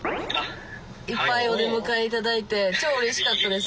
いっぱいお出迎えいただいて超うれしかったです。